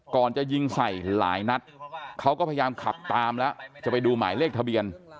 ก่อนจะยิงใส่หลายนัดเขาก็พยายามขับตามแล้วจะไปดูหมายเลขทะเบียน